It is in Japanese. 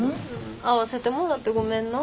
合わせてもらってごめんな。